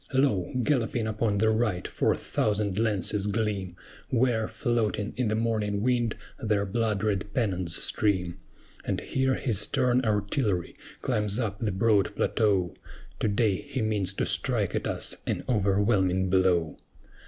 Lo! galloping upon the right four thousand lances gleam, Where, floating in the morning wind, their blood red pennons stream; And here his stern artillery climbs up the broad plateau: To day he means to strike at us an overwhelming blow.